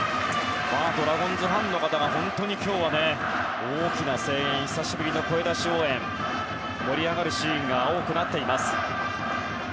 ドラゴンズファンの方が本当に今日は大きな声援久しぶりの声出し応援で盛り上がるシーンが多くなっています。